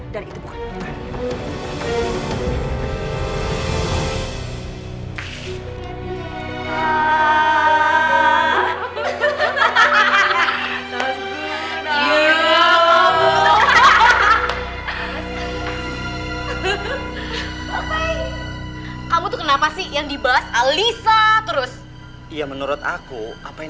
dan itu bukan percaya